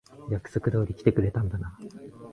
約束通り来てくれたんだな。